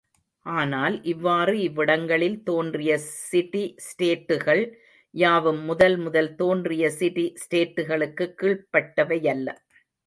ஆனால், இவ்வாறு இவ்விடங்களில் தோன்றிய சிடி ஸ்டேட்டுகள் யாவும் முதல் முதல் தோன்றிய சிடி ஸ்டேட்டுகளுக்குக் கீழ்ப்பட்டவையல்ல.